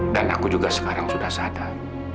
dan aku juga sekarang sudah sadar